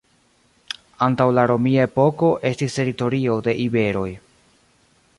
Antaŭ la romia epoko estis teritorio de iberoj.